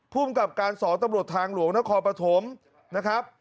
ภูมิกับการ๒ตำรวจทางหลวงนครปฐมนะครับ